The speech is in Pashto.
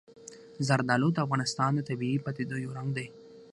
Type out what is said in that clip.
زردالو د افغانستان د طبیعي پدیدو یو رنګ دی.